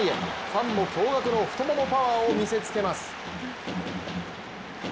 ファンも驚がくの太ももパワーを見せつけます。